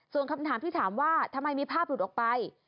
ส่วนคำถามที่ถามว่าทำไมมีภาพหลุดออกไป